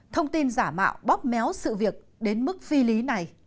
thông tin giả mạo bóp méo sự việc đến mức phi lý này